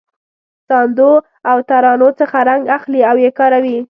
ساندو او ترانو څخه رنګ اخلي او یې کاروي.